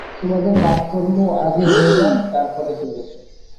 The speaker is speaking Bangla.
তোমাদের কাজকর্ম আগে হয়ে যাক, তার পরে তুমি এসো।